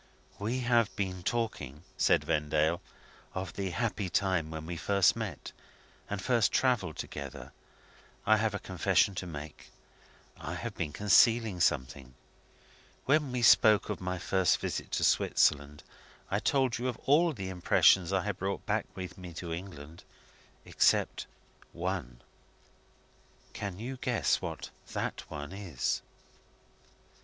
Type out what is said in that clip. "We have been talking," said Vendale, "of the happy time when we first met, and first travelled together. I have a confession to make. I have been concealing something. When we spoke of my first visit to Switzerland, I told you of all the impressions I had brought back with me to England except one. Can you guess what that one is?"